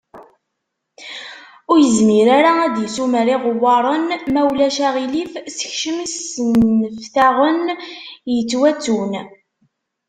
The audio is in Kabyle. Ur yezmir ara ad d-isumer iɣewwaṛen, ma ulac aɣilif sekcem isenneftaɣen yettwattun.